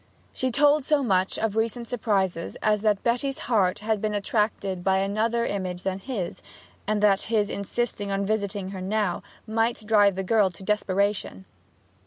So she told so much of recent surprises as that Betty's heart had been attracted by another image than his, and that his insisting on visiting her now might drive the girl to desperation.